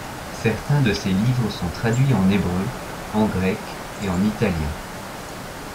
Certains de ses livres sont traduits en hébreu, en grec et en italien.